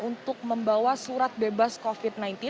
untuk membawa surat bebas covid sembilan belas